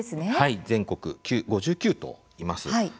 全国、５９頭います。